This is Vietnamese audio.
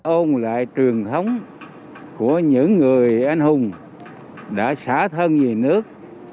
ông lại truyền thống của những người anh hùng đã xả thân về nước